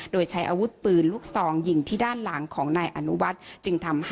โดยใช้อาวุธปืนลูกซองยิงที่ด้านหลังของนายอนุวัฒน์จึงทำให้